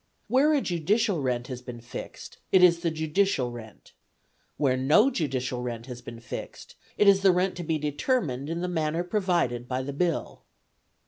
Where a judicial rent has been fixed, it is the judicial rent; where no judicial rent has been fixed, it is the rent to be determined in the manner provided by the Bill.